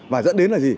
và dẫn đến là gì